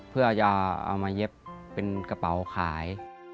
เพื่อจะเอามาเย็บเป็นกระเป๋าขาย